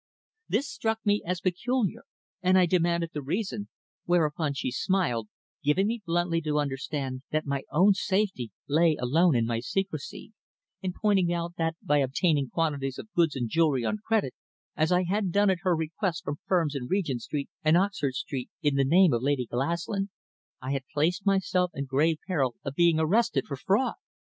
This struck me as peculiar, and I demanded the reason, whereupon she smiled, giving me bluntly to understand that my own safety lay alone in my secrecy, and pointing out that by obtaining quantities of goods and jewellery on credit, as I had done at her request from firms in Regent Street and Oxford Street, in the name of Lady Glaslyn, I had placed myself in grave peril of being arrested for fraud.